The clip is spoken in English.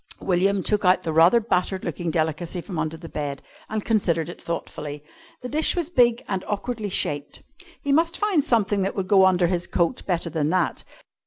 William took out the rather battered looking delicacy from under the bed and considered it thoughtfully. The dish was big and awkwardly shaped. He must find something that would go under his coat better than that.